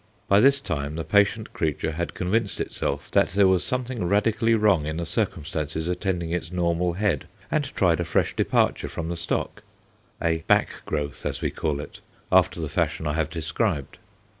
By this time the patient creature had convinced itself that there was something radically wrong in the circumstances attending its normal head, and tried a fresh departure from the stock a "back growth," as we call it, after the fashion I have described.